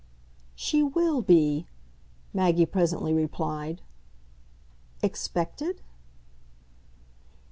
"She WILL be," Maggie presently replied. "Expected?"